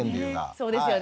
そうですよね。